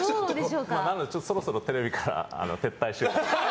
なのでちょっとそろそろテレビから撤退しよう。